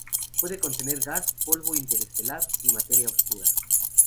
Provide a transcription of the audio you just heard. Puede contener gas, polvo interestelar y materia oscura.